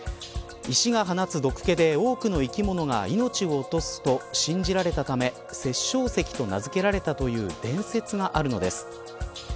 石が放つ毒気で多くの生き物が命を落とすと信じられたため殺生石と名付けられたという伝説があるのです。